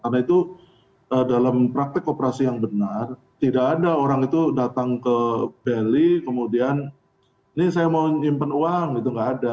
karena itu dalam praktek koperasi yang benar tidak ada orang itu datang ke bali kemudian ini saya mau nyimpen uang itu nggak ada